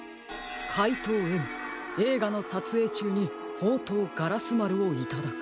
「かいとうＭえいがのさつえいちゅうにほうとうガラスまるをいただく」。